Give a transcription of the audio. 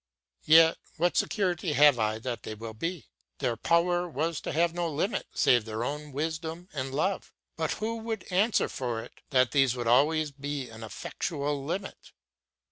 Yet what security have I that they will be? Their power was to have no limit save their own wisdom and love, but who would answer for it that these would always be an effectual limit?